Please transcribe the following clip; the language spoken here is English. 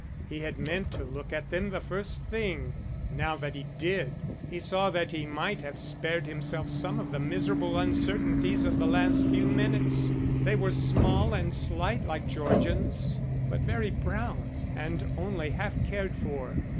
He had meant to look at them the first thing. Now that he did, he saw that he might have spared himself some of the miserable uncertainties of the last few minutes. They were small and slight like Georgian's, but very brown and only half cared for.